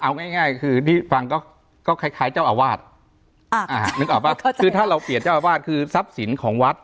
เอาง่ายง่ายคือที่ฟังก็คล้ายคล้ายเจ้าอาวาสนึกออกป่ะคือถ้าเราเปลี่ยนเจ้าอาวาสคือทรัพย์สินของวัด